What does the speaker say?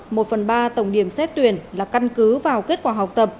một phần ba tổng điểm xét tuyển là căn cứ vào kết quả học tập